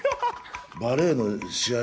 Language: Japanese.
バレーの試合